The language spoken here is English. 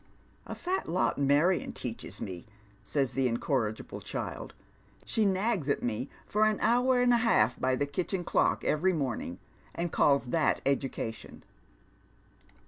" A fat lot Marion teaches me !" says the incorrigible child. " She nags at me for an hour and a half by the kitchen clock every morning, and calls that education."